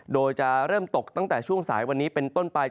โดยจะเริ่มตกตั้งแต่ช่วงสายวันนี้เป็นต้นไป